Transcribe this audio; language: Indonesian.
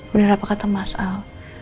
benar apa kata mas al